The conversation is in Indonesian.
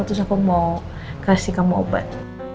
terus aku mau kasih kamu obat